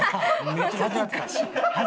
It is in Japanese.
めっちゃ恥ずかしかった。